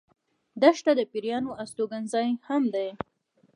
دښته د پېرانو استوګن ځای هم دی.